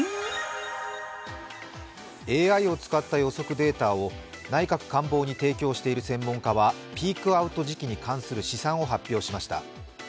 ＡＩを使った予測データを内閣官房に提供している専門家は、ピークアウト時期に関する試算を発表しました。